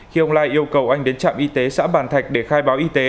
khi ông lai yêu cầu anh đến trạm y tế xã bàn thạch để khai báo y tế